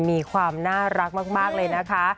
มีความน่ารักมากเลยนะคะ